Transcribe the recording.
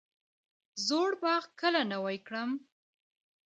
زوړ باغ کله نوی کړم؟